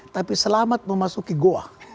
tapi selamat memasuki goa